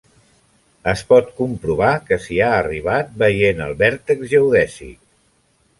Es pot comprovar que s'hi ha arribat veient el vèrtex geodèsic.